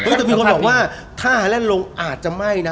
แต่มีคนบอกว่าถ้าฮาแลนด์ลงอาจจะไหม้นะ